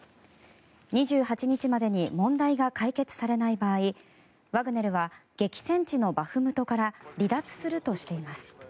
２８日までに問題が解決されない場合ワグネルは激戦地のバフムトから離脱するとしています。